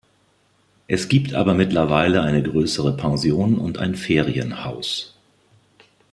Es gibt aber mittlerweile eine größere Pension und ein Ferienhaus.